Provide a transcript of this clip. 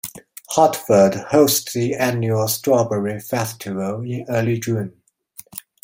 Hartford hosts the annual Strawberry Festival in early June.